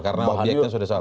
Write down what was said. karena obyeknya sudah salah